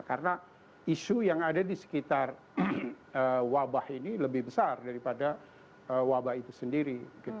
karena isu yang ada di sekitar wabah ini lebih besar daripada wabah itu sendiri